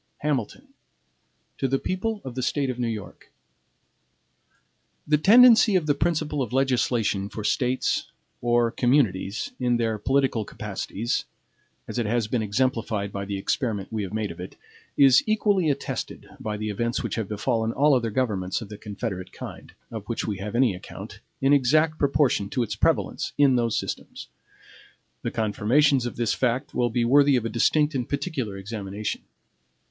HAMILTON To the People of the State of New York: THE tendency of the principle of legislation for States, or communities, in their political capacities, as it has been exemplified by the experiment we have made of it, is equally attested by the events which have befallen all other governments of the confederate kind, of which we have any account, in exact proportion to its prevalence in those systems. The confirmations of this fact will be worthy of a distinct and particular examination.